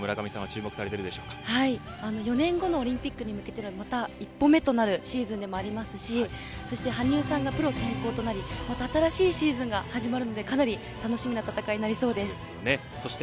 どんなところに４年後のオリンピックに向けてまた一歩目となるシーズンでもありますしそして羽生さんがプロ転向となり新しいシーズンが始まるのでかなり楽しみな戦いになりそうです。